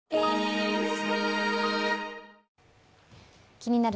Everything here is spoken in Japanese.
「気になる！